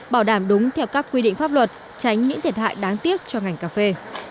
bảo đảm đúng theo các quy định pháp luật tránh những thiệt hại đáng tiếc cho ngành cà phê